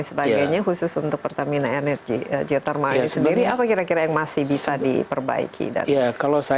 insentif kurang dan lain sebagainya khusus untuk pertamina energy geotermal ini sendiri apa kira kira yang masih bisa diperbaiki dan diberikan kemudahan